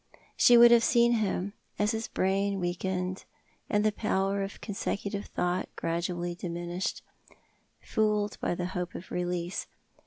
She would have seen him — as his brain weakened, and the power of consecutive thought gradu ally diminished — fooled by the hope of release.